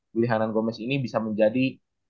willy henan gomez ini bisa menjadi